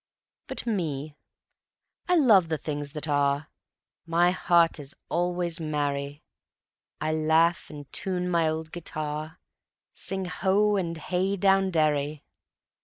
But me, I love the things that are, My heart is always merry; I laugh and tune my old guitar: _Sing ho! and hey down derry.